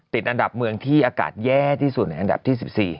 ติดอันดับเมืองที่อากาศแย่ที่สุดในอันดับที่๑๔